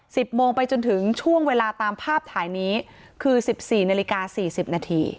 สิบโมงไปจนถึงช่วงเวลาตามภาพถ่ายนี้คือสิบสี่นาฬิกาสี่สิบนาที